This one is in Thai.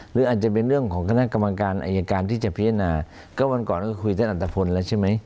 หรืออาจจะเป็นเรื่องของคณะกรรมการอายการที่จะพิจารณาก็วันก่อนก็คุยท่านอัตภพลแล้วใช่ไหม